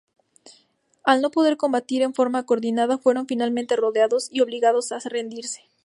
Al no poder combatir en forma coordinada fueron finalmente rodeados y obligados a rendirse.